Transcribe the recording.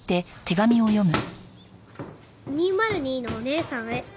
「２０２のお姉さんへ」